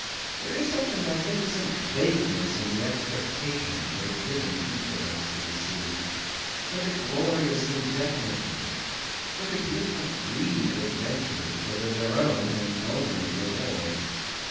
There is such magnificent vagueness in the expectations that had driven each of us to sea, such a glorious indefiniteness, such a beautiful greed of adventures that are their own and only reward.